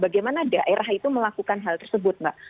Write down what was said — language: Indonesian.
bagaimana daerah itu melakukan hal tersebut mbak